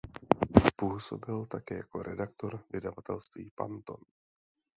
Působil také jako redaktor vydavatelství Panton.